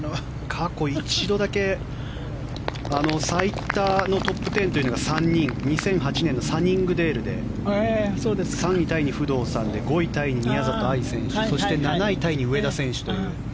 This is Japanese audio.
過去１度だけ最多のトップ１０というのが３人２００８年のサニングデールで３位タイに不動さんで５位タイに宮里藍選手そして７位タイに上田選手という。